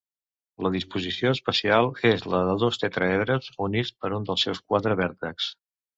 La disposició espacial és la de dos tetraedres units per un dels seus quatre vèrtexs.